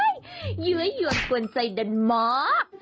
เย้ยเยือนกวนใจดันมอร์